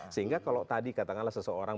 sehingga kalau tadi katakanlah seseorang